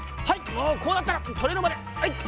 もうこうなったらとれるまではい！